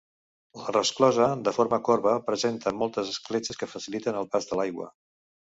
La resclosa, de forma corba, presenta moltes escletxes que faciliten el pas de l'aigua.